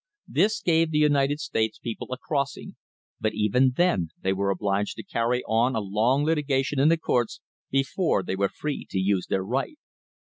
This gave the United States people a crossing, but even then they were obliged to carry on a long litigation in the courts before they were free to use their right.